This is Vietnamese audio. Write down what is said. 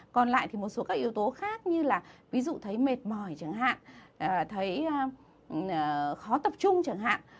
còn lại thì một số các yếu tố khác như là ví dụ thấy mệt mỏi chẳng hạn thấy khó tập trung chẳng hạn